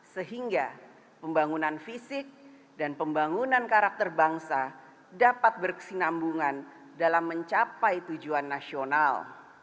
sehingga pembangunan fisik dan pembangunan karakter bangsa dapat berkesinambungan dalam mencapai tujuan nasional